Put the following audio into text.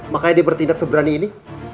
makanya dia bertindak seberani ini